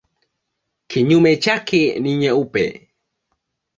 Kinyume chake ni nyeupe.